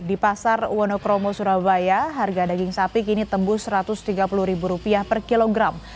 di pasar wonokromo surabaya harga daging sapi kini tembus rp satu ratus tiga puluh per kilogram